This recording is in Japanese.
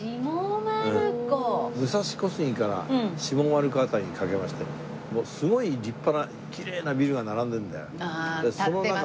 武蔵小杉から下丸子辺りにかけましてすごい立派なきれいなビルが並んでるんだよ。